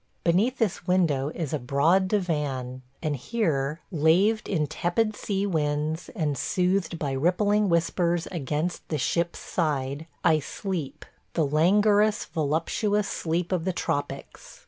Beneath this window is a broad divan, and here, laved in tepid sea winds and soothed by rippling whispers against the ship's side, I sleep – the langorous, voluptuous sleep of the tropics